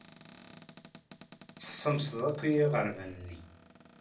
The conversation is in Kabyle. Tessamsed akk i yiɣerban-nni.